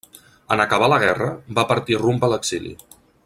En acabar la guerra, va partir rumb a l'exili.